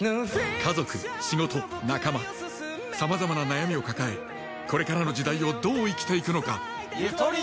家族仕事仲間さまざまな悩みを抱えこれからの時代をどう生きていくのか。